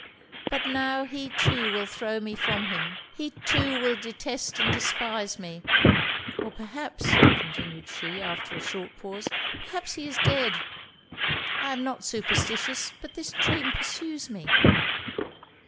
But now he too will throw me from him he too will detest and despise me Or perhaps,' continued she, after a short pause 'perhaps he is dead. I am not superstitious but this dream pursues me.'